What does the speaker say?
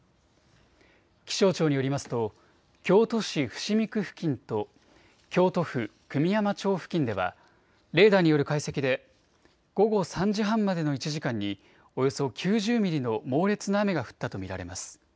気象庁によりますと京都市伏見区付近と京都府久御山町付近ではレーダーによる解析で午後３時半までの１時間におよそ９０ミリの猛烈な雨が降ったと見られます。